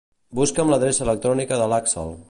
Busca'm l'adreça electrònica de l'Àxel.